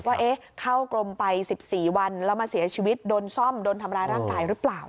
ว่าเข้ากรมไป๑๔วันแล้วมาเสียชีวิตโดนซ่อมโดนทำร้ายร่างกายหรือเปล่า